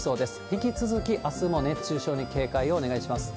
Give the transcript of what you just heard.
引き続きあすも熱中症に警戒をお願いします。